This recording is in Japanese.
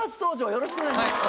よろしくお願いします。